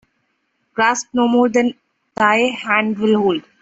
Grasp no more than thy hand will hold.